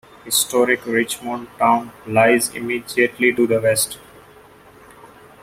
Historic Richmond Town lies immediately to the west.